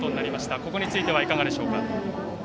ここについてはいかがでしょうか？